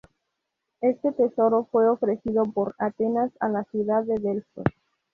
Este tesoro fue ofrecido por Atenas a la ciudad de Delfos.